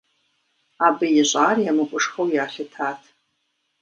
Абы ищӀар емыкӀушхуэу ялъытат.